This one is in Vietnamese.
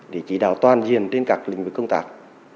để chỉ đào toàn diện trên các lĩnh vực công tác